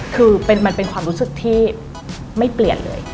คือมันเป็นความรู้สึกที่ไม่เปลี่ยนเลย